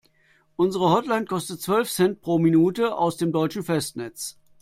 Unsere Hotline kostet zwölf Cent pro Minute aus dem deutschen Festnetz.